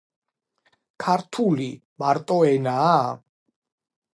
ქართული მარტო ენაა